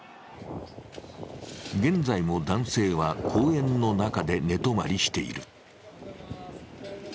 現在も男性は公園の中で寝泊まりしている。